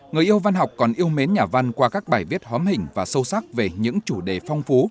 người yêu văn học còn yêu mến nhà văn qua các bài viết hóm hình và sâu sắc về những chủ đề phong phú